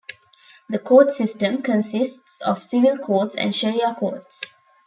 The court system consists of civil courts and Sharia courts.